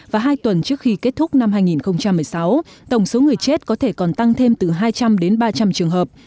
và hai tuần trước khi kết thúc năm hai nghìn một mươi sáu tổng số người chết có thể còn tăng thêm từ hai trăm linh đến ba trăm linh trường hợp